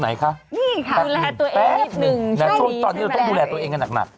ใช่นี่ค่ะแป๊บนึงตอนนี้เราต้องดูแลตัวเองกันหนัก